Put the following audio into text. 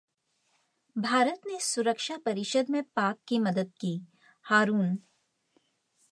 भारत ने सुरक्षा परिषद में पाक की मदद की: हारून